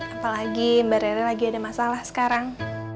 apalagi mbak rera lagi ada masalah sekarang